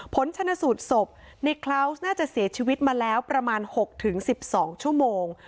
ผลชนะสูตรศพในคลาวส์น่าจะเสียชีวิตมาแล้วประมาณ๖๑๒ชั่วโมง